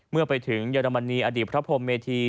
เมื่อไปถึงเยอรมนีอดีตพระพรมเมธี